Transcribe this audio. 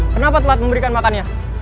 kenapa telat memberikan makannya